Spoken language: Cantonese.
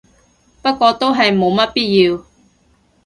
不過都係冇乜必要